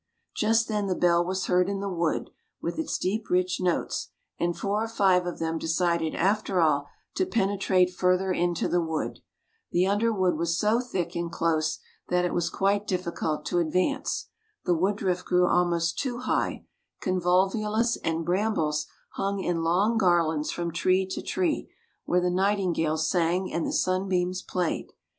" Just then the bell was heard in the wood, with its deep rich notes; and four or five of them decided after all to penetrate further into the wood. The underwood was so thick and close that it was quite difficult to advance. The woodruff grew almost too high, convolvulus and brambles hung in long garlands from tree to tree, where the nightingales sang and the sunbeams played.